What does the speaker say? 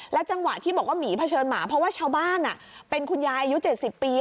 จังหวะที่บอกว่าหมีเผชิญหมาเพราะว่าชาวบ้านเป็นคุณยายอายุ๗๐ปี